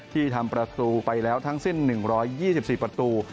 ที่ทำประตูไปแล้วทั้งสิ้น๑๒๔ประตู